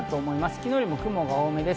昨日より雲が多めです。